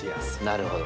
なるほど。